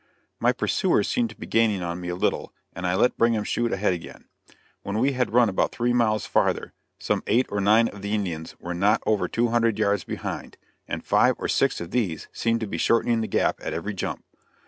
] My pursuers seemed to be gaining on me a little, and I let Brigham shoot ahead again; when we had run about three miles farther, some eight or nine of the Indians were not over two hundred yards behind, and five or six of these seemed to be shortening the gap at every jump.